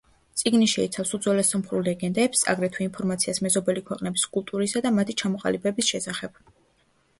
წიგნი შეიცავს უძველეს სომხურ ლეგენდებს, აგრეთვე ინფორმაციას მეზობელი ქვეყნების კულტურისა და მათი ჩამოყალიბების შესახებ.